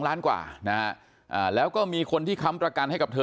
ล้านกว่านะฮะแล้วก็มีคนที่ค้ำประกันให้กับเธอ